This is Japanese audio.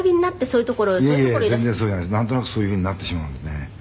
「なんとなくそういうふうになってしまうんでね」